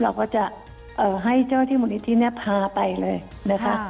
เราก็จะให้เจ้าที่มูลนิธิเนี่ยพาไปเลยนะคะ